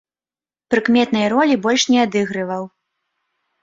Прыкметнай ролі больш не адыгрываў.